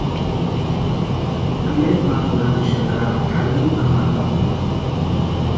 Pirekwa ma kurhantixaka arini anhatapurhu.